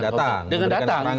bantahnya dengan datang